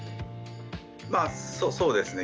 まあそうですね